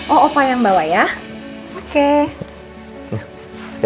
oh opa yang bawa ya oke